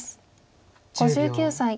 ５９歳。